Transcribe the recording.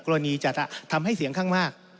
กรณีจะทำให้เสียงข้างมาก